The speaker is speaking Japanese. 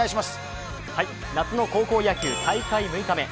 夏の高校野球、大会６日目。